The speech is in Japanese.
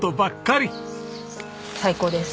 最高です。